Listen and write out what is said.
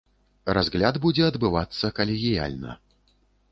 Разгляд будзе адбывацца калегіяльна.